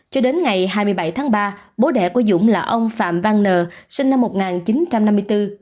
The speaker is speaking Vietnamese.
cho đến ngày hai mươi bảy tháng ba bố đẻ của dũng là ông phạm văn nờ sinh năm một nghìn chín trăm năm mươi bốn